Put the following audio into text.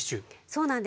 そうなんです。